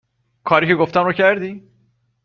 کاری که گفتم رو کردی؟